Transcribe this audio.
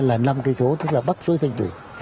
năm cái chỗ tức là bắc xôi thanh thủy